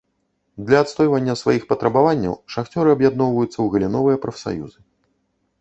Для адстойвання сваіх патрабаванняў шахцёры аб'ядноўваюцца ў галіновыя прафсаюзы.